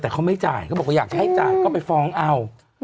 แต่เขาไม่จ่ายเขาบอกว่าอยากจะให้จ่ายก็ไปฟ้องเอา